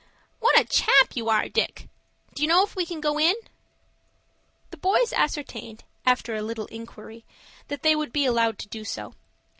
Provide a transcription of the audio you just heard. "What a chap you are, Dick! Do you know if we can go in?" The boys ascertained, after a little inquiry, that they would be allowed to do so.